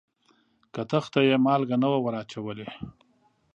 کتغ ته یې مالګه نه وه وراچولې.